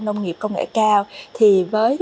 nông nghiệp công nghệ cao thì với